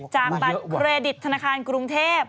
จากบัตรเครดิตธนาคารกรุงเทพ